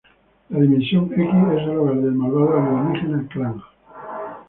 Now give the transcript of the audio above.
La Dimensión X es el hogar del malvado alienígena Krang.